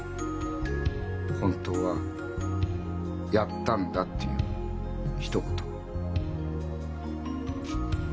「本当はやったんだ」っていうひと言を。